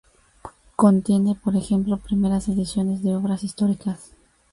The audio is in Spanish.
Contiene por ejemplo primeras ediciones de obras históricas.